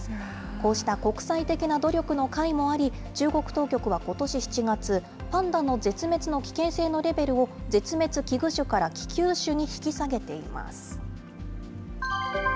こうした国際的な努力のかいもあり、中国当局はことし７月、パンダの絶滅の危険性のレベルを、絶滅危惧種から危急種に引き下げています。